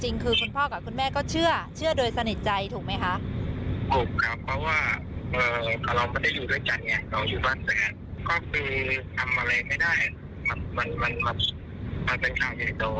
คุณพ่อกับคุณแม่ก็เชื่อเชื่อโดยสนิทใจถูกไหมคะ